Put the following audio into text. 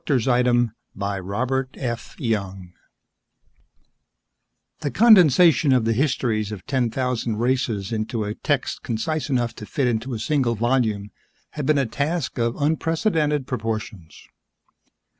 The human race, for instance The condensation of the histories of ten thousand races into a text concise enough to fit into a single volume had been a task of unprecedented proportions.